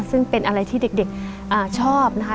ซึ่งเป็นอะไรที่เด็กชอบนะคะ